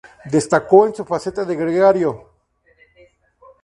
Destacó en su faceta de gregario.